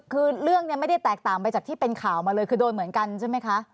คือเรื่องนี้ไม่ได้แตกต่างไปจากที่เป็นข่าวมาเลยคือโดนเหมือนกันใช่ไหมคะ